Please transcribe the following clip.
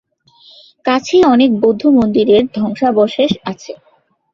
কাছেই অনেক বৌদ্ধ মন্দিরের ধ্বংসাবশেষ আছে।